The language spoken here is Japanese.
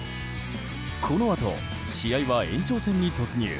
このあと、試合は延長戦に突入。